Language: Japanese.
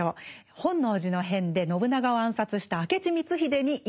本能寺の変で信長を暗殺した明智光秀に家康は復讐を誓いました。